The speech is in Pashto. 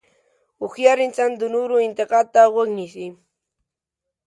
هوښیار انسان د نورو انتقاد ته غوږ نیسي.